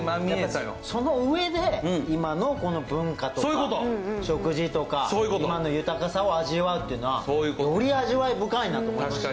そのうえで今のこの文化とか食事とか今の豊かさを味わうっていうのはより味わい深いなって思いました。